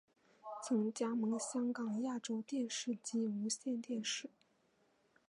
曾加盟香港亚洲电视及无线电视。